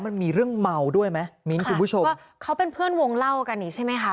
มันมีเรื่องเมาด้วยไหมมิ้นคุณผู้ชมก็เขาเป็นเพื่อนวงเล่ากันอีกใช่ไหมคะ